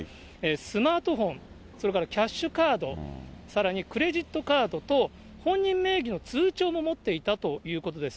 スマートフォン、それからキャッシュカード、さらにクレジットカードと、本人名義の通帳も持っていたということです。